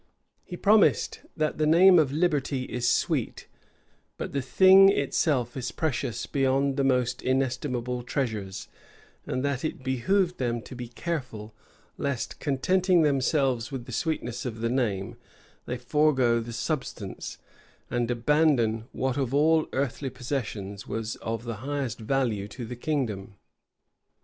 He premised, that the very name of liberty is sweet; but the thing itself is precious beyond the most inestimable treasures and that it behoved them to be careful, lest, contenting themselves with the sweetness of the name, they forego the substance, and abandon what of all earthly possessions was of the highest value to the kingdom.